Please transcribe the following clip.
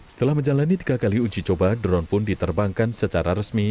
setelah menjalani tiga kali uji coba drone pun diterbangkan secara resmi